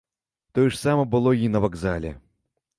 Тое ж самае было і на вакзале.